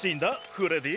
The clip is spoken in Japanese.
フレディ。